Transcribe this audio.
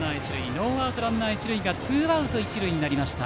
ノーアウトランナー、一塁がツーアウト一塁になりました